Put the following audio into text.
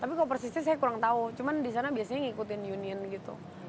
tapi kalau persisnya saya kurang tahu cuma di sana biasanya ngikutin union gitu